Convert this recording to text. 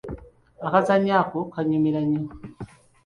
Akazannyo ako kannyumira nnyo.